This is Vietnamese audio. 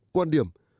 hai quan điểm